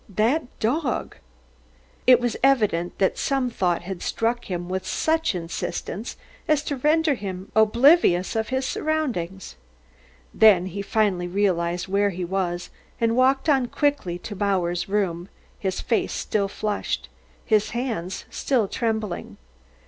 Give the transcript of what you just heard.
that dog!" It was evident that some thought had struck him with such insistence as to render him oblivious of his surroundings. Then he finally realised where he was, and walked on quickly to Bauer's room, his face still flushed, his hands trembling.